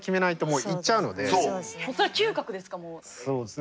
それは嗅覚ですか？